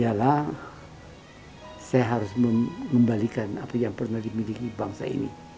ialah saya harus mengembalikan apa yang pernah dimiliki bangsa ini